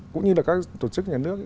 cũng như là các tổ chức nhà nước